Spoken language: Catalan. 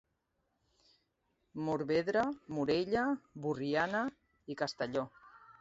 Morvedre, Morella, Borriana i Castelló.